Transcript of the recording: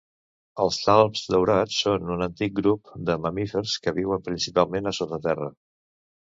Els talps daurats són un antic grup de mamífers que viuen principalment a sota terra.